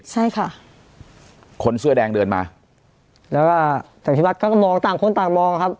ใช่ค่ะคนเสื้อแดงเดินมาแล้วก็ต่างคนต่างมองครับ